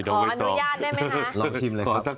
ขออนุญาตได้ไหมครับลองชิมเลยครับ